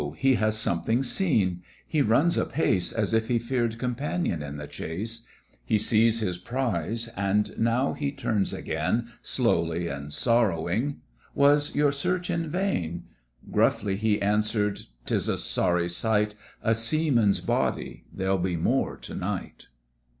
he has something seen; he runs apace, As if he fear'd companion in the chase; He sees his prize, and now he turns again, Slowly and sorrowing "Was your search in vain?" Gruffly he answers, "'Tis a sorry sight! A seaman's body: there'll be more to night!"